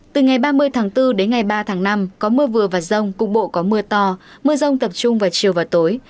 từ ngày ba mươi tháng bốn đến ngày ba tháng năm có mưa vừa và rông cục bộ có mưa to mưa rông tập trung vào chiều và tối